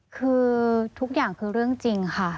คือทุกอย่างคือเรื่องจริงค่ะ